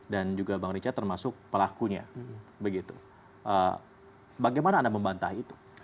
juga bang richard termasuk pelakunya begitu bagaimana anda membantah itu